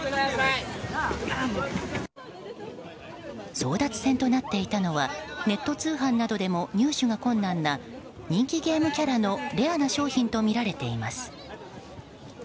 争奪戦となっていたのはネット通販などでも入手が困難な人気ゲームキャラのレアな商品とみられています。